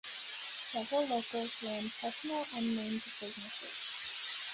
Several locals ran personal unnamed businesses.